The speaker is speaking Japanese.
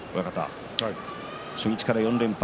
初日から４連敗。